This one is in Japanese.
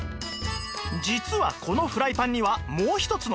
実はこのフライパンにはもう一つの秘密が！